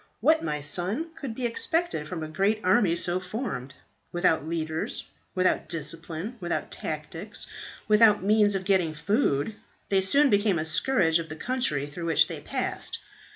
What, my son, could be expected from a great army so formed? Without leaders, without discipline, without tactics, without means of getting food, they soon became a scourge of the country through which they passed.